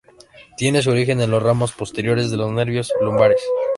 Tienen su origen en los ramos posteriores de los nervios lumbares.